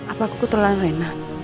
apa aku kutelan rena